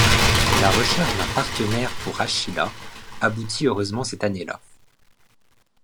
La recherche d'un partenaire pour Achilla aboutit heureusement cette année-là.